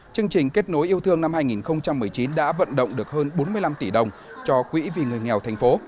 chương trình kết nối yêu thương năm hai nghìn một mươi chín đã vận động được hơn bốn mươi năm tỷ đồng cho quỹ vì người nghèo thành phố